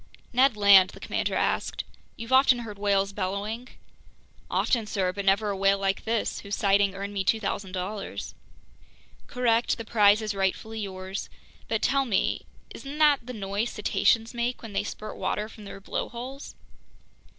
"Ned Land," the commander asked, "you've often heard whales bellowing?" "Often, sir, but never a whale like this, whose sighting earned me $2,000.00." "Correct, the prize is rightfully yours. But tell me, isn't that the noise cetaceans make when they spurt water from their blowholes?"